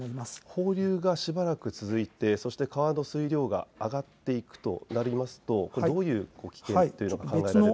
放流がしばらく続いてそして川の水量が上がっていくとなりますとどういう危険が考えられるでしょうか。